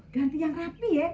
ganti yang rapi ya